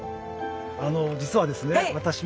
あの実はですね